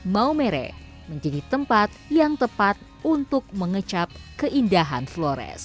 maumere menjadi tempat yang tepat untuk mengecap keindahan flores